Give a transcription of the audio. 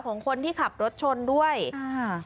ของคนที่ขับรถชนด้วยอ่า